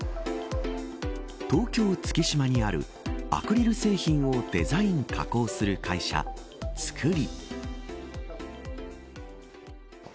東京、月島にあるアクリル製品をデザイン加工する会社ツクリ。